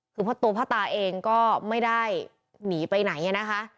คือตัวพ่อตาเองก็ไม่ได้หนีไปไหนนะคะ